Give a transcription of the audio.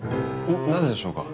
ななぜでしょうか？